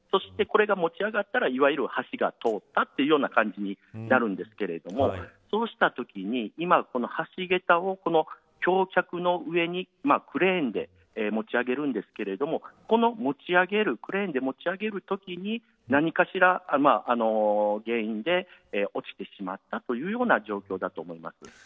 それが持ち上がったらいわゆる橋が通ったという感じになるんですけれどもそうしたときに今、この橋げたを橋脚の上にクレーンで持ち上げるんですけれどもこのクレーンで持ち上げるときに何かしらの原因で落ちてしまったというような状況だと思います。